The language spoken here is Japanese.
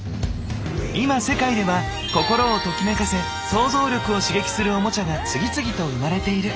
今世界では心をときめかせ創造力を刺激するオモチャが次々と生まれている。